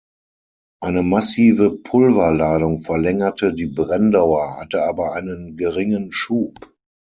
Eine massive Pulverladung verlängerte die Brenndauer, hatte aber einen geringen Schub.